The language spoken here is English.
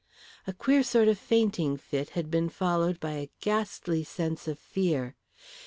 A queer sort of fainting fit had been followed by a ghastly sense of fear.